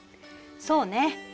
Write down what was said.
そうね。